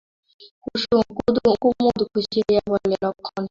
কুমুদ খুশি হইয়া বলে, লক্ষ্মণ সাজব।